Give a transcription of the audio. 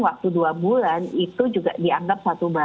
waktu dua bulan itu juga dianggap